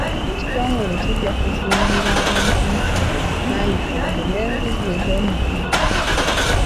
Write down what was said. Ekitongole kijja kuzimbira abantu nnayikondo n'enzizi ez'omulembe.